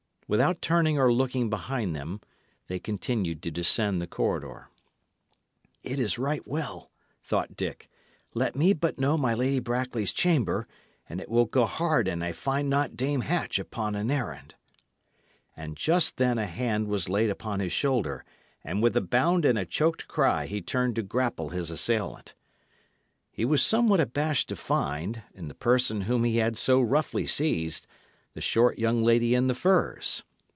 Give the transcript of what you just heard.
Without turning or looking behind them, they continued to descend the corridor. "It is right well," thought Dick. "Let me but know my Lady Brackley's chamber, and it will go hard an I find not Dame Hatch upon an errand." And just then a hand was laid upon his shoulder, and, with a bound and a choked cry, he turned to grapple his assailant. He was somewhat abashed to find, in the person whom he had so roughly seized, the short young lady in the furs.